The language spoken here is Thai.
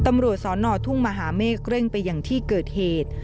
ตำรวจสอนอทุ่งมหาเมฆเร่งไปอย่างที่เกิดเหตุ